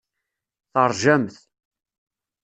Teṛjamt.